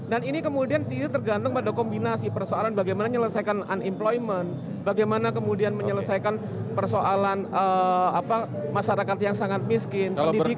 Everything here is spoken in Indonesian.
dan ini kemudian tergantung pada kombinasi persoalan bagaimana menyelesaikan unemployment bagaimana kemudian menyelesaikan persoalan masyarakat yang sangat miskin pendidikan dan lain sebagainya